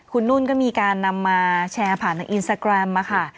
คุณนุ่นก็มีการนำมาแชร์ผ่านทางอินสตาแกรมมาค่ะ